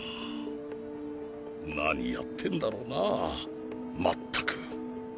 何やってんだろうなまったく。